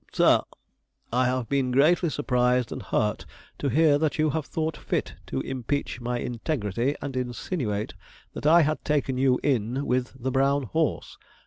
'SIR, 'I have been greatly surprised and hurt to hear that you have thought fit to impeach my integrity, and insinuate that I had taken you in with the brown horse.